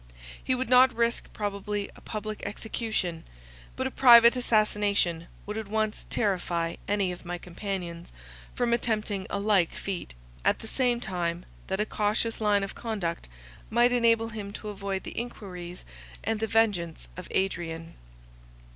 He would not risk probably a public execution; but a private assassination would at once terrify any of my companions from attempting a like feat, at the same time that a cautious line of conduct might enable him to avoid the enquiries and the vengeance of Adrian.